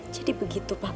jadi begitu pak